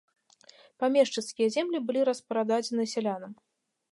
Памешчыцкія землі былі распрададзены сялянам.